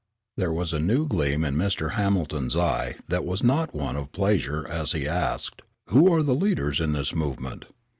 There was a new gleam in Mr. Hamilton's eye that was not one of pleasure as he asked, "Who are the leaders in this movement?"